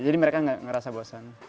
jadi mereka nggak ngerasa bosan